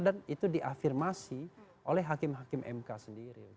dan itu diafirmasi oleh hakim hakim mk sendiri